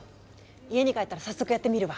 家に帰ったら早速やってみるわ！